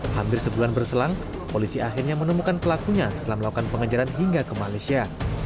hampir sebulan berselang polisi akhirnya menemukan pelakunya setelah melakukan pengejaran hingga ke malaysia